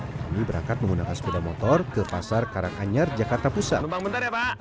kami berangkat menggunakan sepeda motor ke pasar karanganyar jakarta pusat ya pak